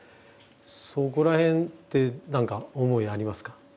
そこら辺って何か思いありますか？